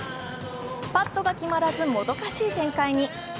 パットが決まらずもどかしい展開に。